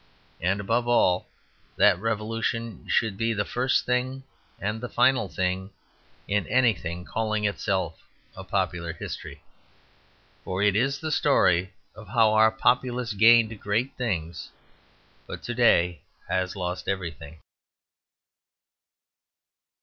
And, above all, that revolution should be the first thing and the final thing in anything calling itself a popular history. For it is the story of how our populace gained great things, but to day has lost everything.